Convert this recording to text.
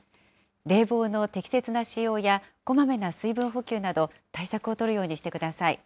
冷房の適切な使用や、こまめな水分補給など、対策を取るようにしてください。